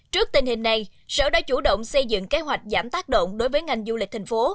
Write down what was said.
trước tình hình này sở đã chủ động xây dựng kế hoạch giảm tác động đối với ngành du lịch thành phố